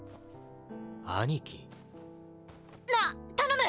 兄貴？なあ頼む！